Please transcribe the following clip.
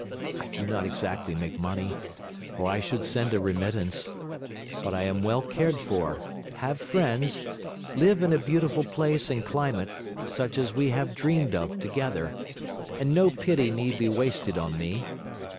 I do not exactly make money, or I should send a remittance; but I am well cared for, have friends, live in a beautiful place and climate, such as we have dreamed of together, and no pity need be wasted on me.